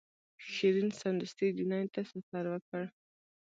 شیرین سمدستي جنین ته سفر وکړ.